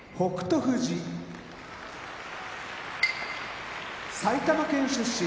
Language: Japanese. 富士埼玉県出身